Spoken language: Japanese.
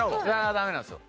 ダメなんですよ。